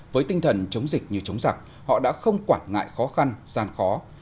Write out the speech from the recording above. với tinh thần chống dịch như chống giặc họ đã không quản ngại khó khăn gian khó